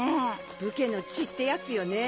武家の血ってやつよね。